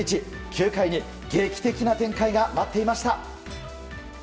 ９回に劇的な展開が待っていました。